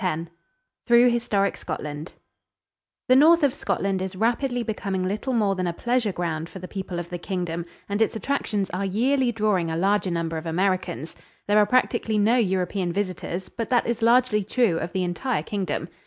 X THROUGH HISTORIC SCOTLAND The north of Scotland is rapidly becoming little more than a pleasure ground for the people of the Kingdom, and its attractions are yearly drawing a larger number of Americans. There are practically no European visitors, but that is largely true of the entire Kingdom.